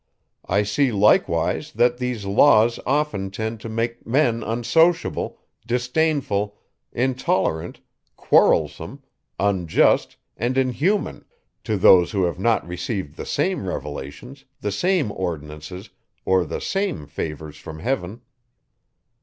I see likewise, that these laws often tend to make men unsociable, disdainful, intolerant, quarrelsome, unjust, and inhuman, to those who have not received the same revelations, the same ordinances, or the same favours from heaven.